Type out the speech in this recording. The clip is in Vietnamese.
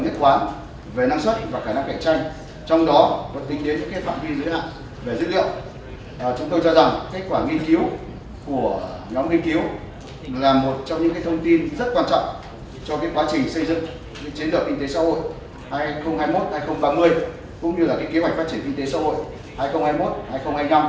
cho quá trình xây dựng chiến lược kinh tế xã hội hai nghìn hai mươi một hai nghìn ba mươi cũng như kế hoạch phát triển kinh tế xã hội hai nghìn hai mươi một hai nghìn hai mươi năm